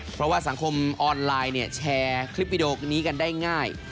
เพราะว่าสังคมออนไลน์แชร์คลิปวิดีโอนี้กันได้ง่าย